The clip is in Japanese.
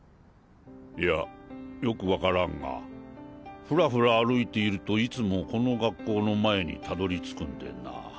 いやよく分からんがフラフラ歩いているといつもこの学校の前にたどりつくんでな。